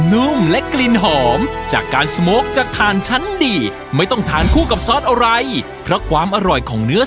อย่าไปสนใจค่ะอะไรก็พี่พี่ทางนี้ค่ะพี่ทางนี้ค่ะ